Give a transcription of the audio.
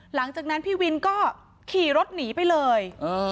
หลังจากนั้นพี่วินก็ขี่รถหนีไปเลย